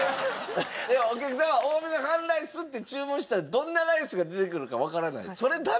お客さんは「多めの半ライス」って注文したらどんなライスが出てくるかわからない。